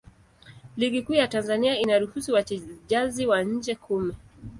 Ligi Kuu ya Tanzania inaruhusu wachezaji wa nje kumi.